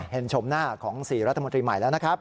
ชมหน้าของ๔รัฐมนตรีใหม่แล้วนะครับ